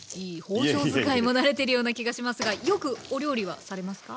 包丁使いも慣れてるような気がしますがよくお料理はされますか？